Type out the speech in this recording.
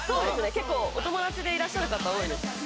結構お友達でいらっしゃる方多いです